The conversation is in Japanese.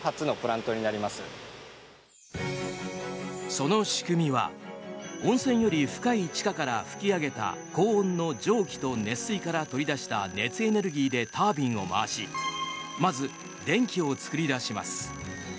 その仕組みは温泉より深い地下から噴き上げた高温の蒸気と熱水から取り出した熱エネルギーでタービンを回しまず電気を作り出します。